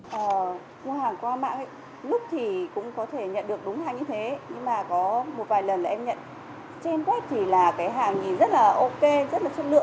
họ mua hàng qua mạng lúc thì cũng có thể nhận được đúng hàng như thế nhưng mà có một vài lần là em nhận trên web thì là cái hàng nhìn rất là ok rất là chất lượng